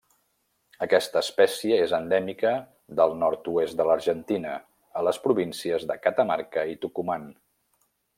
Aquesta espècie és endèmica del nord-oest de l'Argentina, a les províncies de Catamarca i Tucumán.